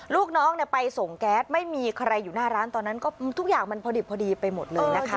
ลูกน้องไปส่งแก๊สไม่มีใครอยู่หน้าร้านตอนนั้นก็ทุกอย่างมันพอดิบพอดีไปหมดเลยนะคะ